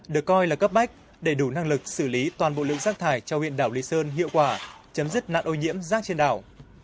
vì thế việc lắp đặt thêm lò đốt nâng công suất xử lý rác thải cho huyện đảo lý sơn hiệu quả chấm dứt nặng ô nhiễm rác trên đảo